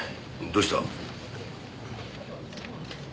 どうした？